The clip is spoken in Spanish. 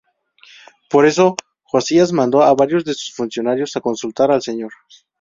Por eso Josías mandó a varios de sus funcionarios a consultar al Señor.